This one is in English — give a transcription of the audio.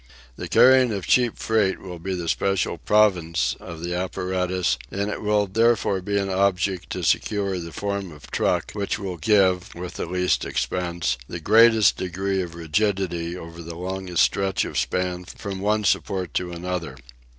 The carrying of cheap freight will be the special province of the apparatus, and it will therefore be an object to secure the form of truck which will give, with the least expense, the greatest degree of rigidity over the longest stretch of span from one support to another.